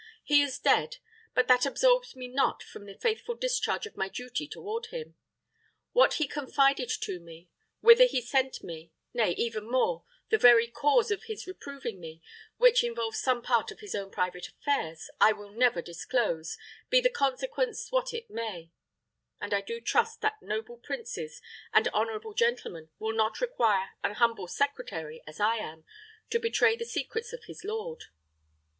He is dead; but that absolves me not from the faithful discharge of my duty toward him. What he confided to me whither he sent me nay, even more, the very cause of his reproving me, which involves some part of his own private affairs, I will never disclose, be the consequence what it may; and I do trust that noble princes and honorable gentlemen will not require an humble secretary, as I am, to betray the secrets of his lord."